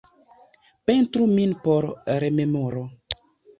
Pentru min por rememoro.